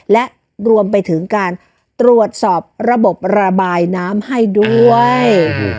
และรวมไปถึงการตรวจสอบระบบระบายน้ำให้ด้วย